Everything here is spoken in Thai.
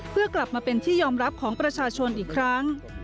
เพื่อกลับมาเป็นที่ยอมรับของประชาชนอีกครั้ง